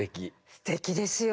すてきですよね。